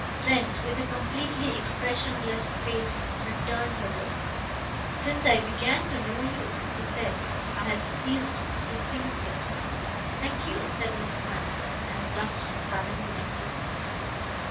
Trent, with a completely expressionless face, returned her look. "Since I began to know you," he said, "I have ceased to think it." "Thank you," said Mrs. Manderson; and blushed suddenly and deeply.